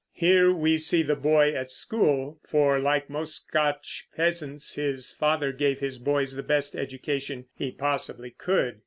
Here we see the boy at school; for like most Scotch peasants, the father gave his boys the best education he possibly could.